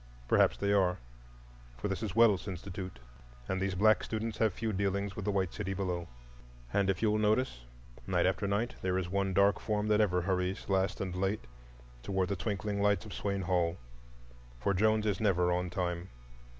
Perhaps they are; for this is Wells Institute, and these black students have few dealings with the white city below. And if you will notice, night after night, there is one dark form that ever hurries last and late toward the twinkling lights of Swain Hall,—for Jones is never on time.